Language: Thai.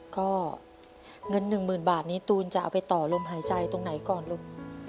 ก็เงิน๑๐๐๐บาทนี้ตูนจะเอาไปต่อลมหายใจตรงไหนก่อนลุง